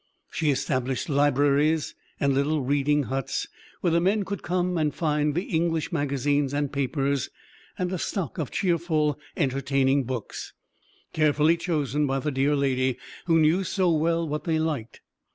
She established libraries, and little "reading huts," where the men could come and find the English magazines and papers, and a stock of cheerful, entertaining books, carefully chosen by the dear lady who knew so well what they liked.